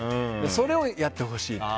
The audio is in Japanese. それをやってほしい。